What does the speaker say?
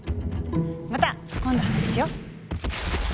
また今度話しよう！